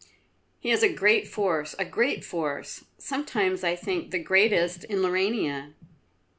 "He is a great force, a great force; sometimes, I think, the greatest in Laurania.